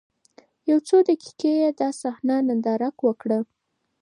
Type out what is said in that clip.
يو څو دقيقې يې دا صحنه ننداره وکړه.